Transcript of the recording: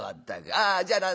ああじゃあ何だな。